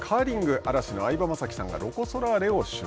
嵐の相葉雅紀さんがロコ・ソラーレを取材。